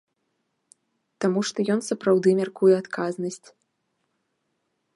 Таму што ён сапраўды мяркуе адказнасць.